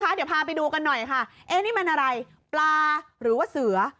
เดี๋ยวพาไปดูกันหน่อยค่ะเอ๊ะนี่มันอะไรปลาหรือว่าเสือ